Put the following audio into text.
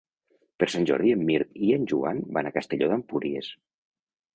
Per Sant Jordi en Mirt i en Joan van a Castelló d'Empúries.